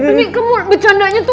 tapi kamu bercandanya tuh